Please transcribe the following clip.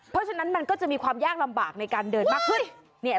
เพราะฉะนั้นมันก็จะมีความยากลำบากในการเดินมากขึ้น